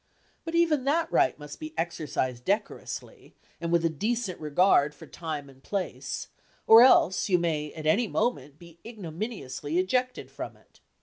But even that right must be exercised decorously, and with a decent regard for time and place, or else you may at any moment be ignominiously ejected from it.